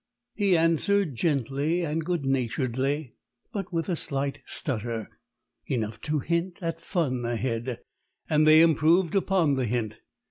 He answered gently and good naturedly, but with a slight stutter enough to hint at fun ahead; and they improved upon the hint.